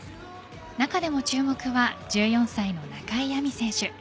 中でも注目は１４歳の中井亜美選手。